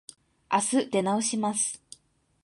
あす出直します。